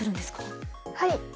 はい。